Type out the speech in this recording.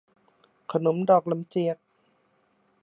ขนมดอกลำเจียก